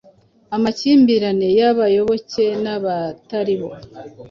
amakimbirane y'abayoboke n'abatari bo